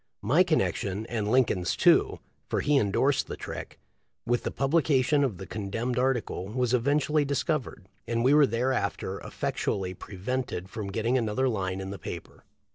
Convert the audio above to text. My connection, and Lincoln's too, — for he endorsed the trick, — with the publica tion of the condemned article was eventually dis covered, and we were thereafter effectually pre vented from getting another line in the paper.